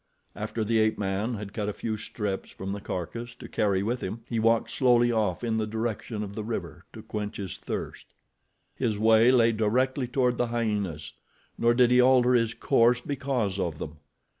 After the ape man had cut a few strips from the carcass to carry with him, he walked slowly off in the direction of the river to quench his thirst. His way lay directly toward the hyenas, nor did he alter his course because of them.